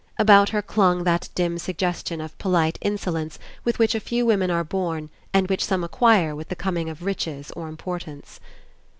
About her clung that dim suggestion of polite insolence with which a few women are born and which some acquire with the coming of riches or importance.